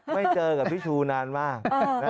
ไม่เจอกับพี่ชูนานมาก